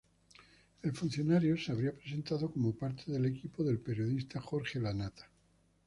El funcionario se habría presentado como parte del equipo del periodista Jorge Lanata.